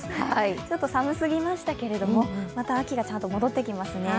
ちょっと寒すぎましたけど、また秋がちゃんと戻ってきますね。